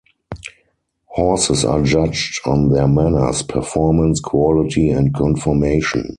Horses are judged on their manners, performance, quality and conformation.